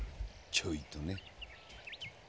ちょいとね。